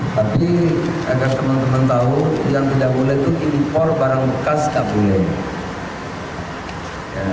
tapi agar teman teman tahu yang tidak boleh itu impor barang bekas nggak boleh